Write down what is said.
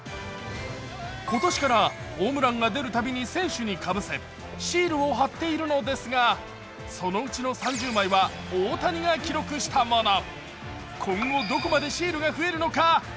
今年からホームランが出るたびに選手にかぶせ、シールを貼っているのですが、そのうちの３０枚は大谷が記録したもの。